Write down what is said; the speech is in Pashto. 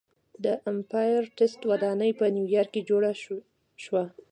د ایمپایر سټیټ ودانۍ په نیویارک کې جوړه شوه.